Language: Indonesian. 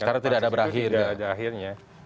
karena pansus itu tidak ada akhirnya